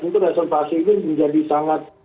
tentu reservasi ini menjadi sangat